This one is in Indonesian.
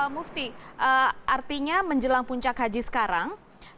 mufti artinya menjelang puncak haji sekarang